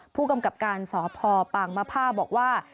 ผู้กำกับการสพปางมภาบอกว่า